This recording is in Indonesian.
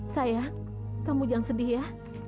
saya kamu jangan sedih ya